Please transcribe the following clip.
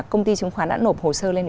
công ty trứng khoán đã nộp hồ sơ lên